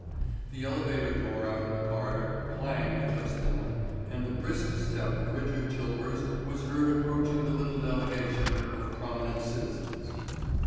The elevator door out in the corridor clanged just then and the brisk step of Richard Chilvers was heard approaching the little delegation of prominent citizens.